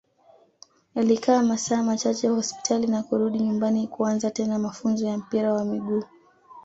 alikaa masaa machache hospitali na kurudi nyumbani kuanza tena mafunzo ya mpira wa miguu